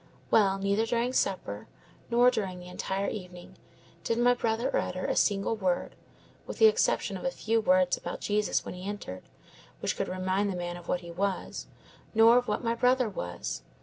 Well, neither during supper, nor during the entire evening, did my brother utter a single word, with the exception of a few words about Jesus when he entered, which could remind the man of what he was, nor of what my brother was.